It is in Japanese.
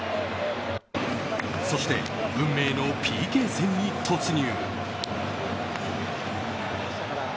そして、運命のＰＫ戦に突入。